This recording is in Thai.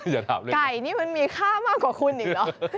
ฮะไก่นี่มันมีค่ามากกว่าคุณอีกหรอ